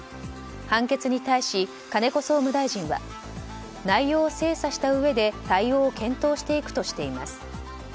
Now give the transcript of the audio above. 判決に対し、金子総務大臣は内容を精査したうえで対応を検討していくとしています。